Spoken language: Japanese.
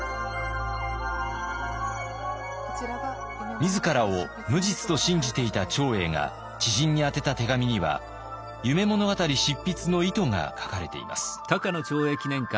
自らを無実と信じていた長英が知人に宛てた手紙には「夢物語」執筆の意図が書かれています。